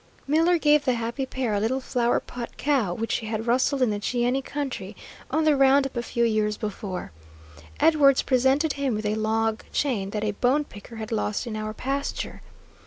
Miller gave the happy pair a little "Flower Pot" cow, which he had rustled in the Cheyenne country on the round up a few years before. Edwards presented him with a log chain that a bone picker had lost in our pasture.